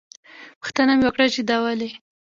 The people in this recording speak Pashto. پوښتنه مې وکړه چې دا ولې.